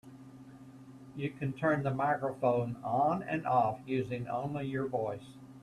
You can turn the microphone on and off using only your voice.